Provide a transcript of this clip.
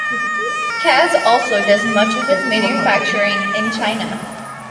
Kaz also does much of its manufacturing in China.